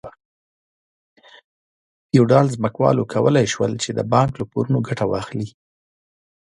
فیوډال ځمکوالو کولای شول چې د بانک له پورونو ګټه واخلي.